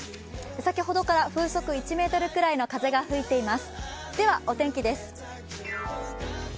先ほどから風速１メートルぐらいの風が吹いています。